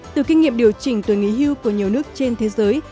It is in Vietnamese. từ kinh nghiệm điều chỉnh tuổi nghỉ hưu của nhiều nước trên thế giới